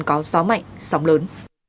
có gió mạnh sóng lớn